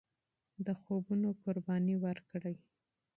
د خوبونو قرباني ورکړئ.